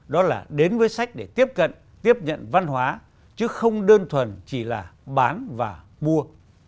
đó là đến với sách để tiếp cận tiếp nhận văn hóa chứ không đơn thuần chỉ là bán và mua